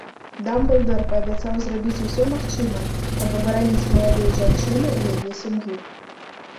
Дамблдар паабяцаў зрабіць усё магчымае, каб абараніць маладую жанчыну і яе сям'ю.